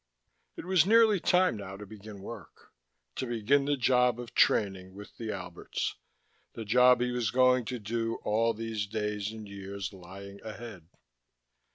It was nearly time now to begin work. To begin the job of training, with the Alberts, the job he was going to do through all those days and years lying ahead.